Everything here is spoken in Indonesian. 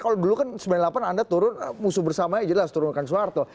kalau dulu kan sembilan puluh delapan anda turun musuh bersamanya jelas turunkan soeharto